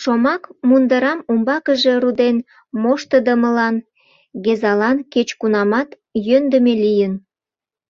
Шомак мундырам умбакыже руден моштыдымылан Гезалан кеч-кунамат йӧндымӧ лийын.